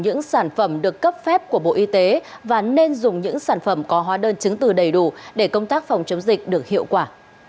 những sản phẩm được cấp phép của bộ y tế và nên dùng những sản phẩm có hóa đơn chứng từ đầy đủ để công tác phòng chống dịch được hiệu quả